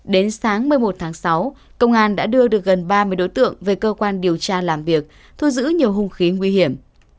đến sáng một mươi một tháng sáu công an đã đưa được gần ba mươi đối tượng về cơ quan điều tra làm việc thu giữ nhiều hung khí nguy hiểm